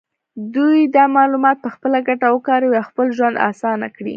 دوی دا معلومات په خپله ګټه وکاروي او خپل ژوند اسانه کړي.